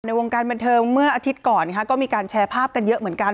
วงการบันเทิงเมื่ออาทิตย์ก่อนก็มีการแชร์ภาพกันเยอะเหมือนกัน